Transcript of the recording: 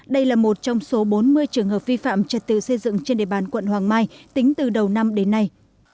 đây là một trong số bốn mươi trường hợp vi phạm trật tự xây dựng trên địa bàn quận hoàng mai tính từ đầu năm đến nay